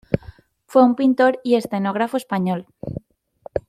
Fue un pintor y escenógrafo español.